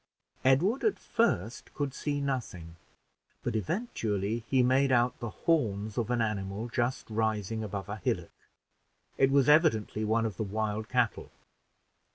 Edward at first could see nothing, but eventually he made out the horns of an animal just rising above a hillock. It was evidently one of the wild cattle.